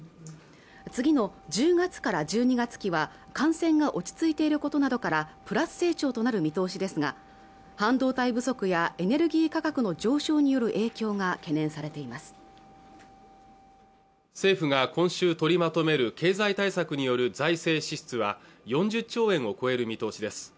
次の１０月から１２月期は感染が落ち着いていることなどからプラス成長となる見通しですが半導体不足やエネルギー価格の上昇による影響が懸念されています政府が今週取りまとめる経済対策による財政支出は４０兆円を超える見通しです